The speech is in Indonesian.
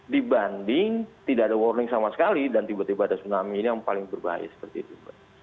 dibanding tidak ada warning sama sekali dan tiba tiba ada tsunami ini yang paling berbahaya seperti itu